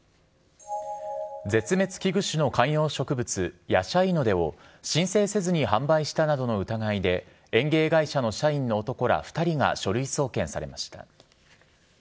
絶滅危惧種の観葉植物、ヤシャイノデを申請せずに販売したなどの疑いで、園芸会社の社員の男ら２人が書類送検されました。